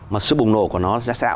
mà sự bùng nổ của nó sẽ xảy ra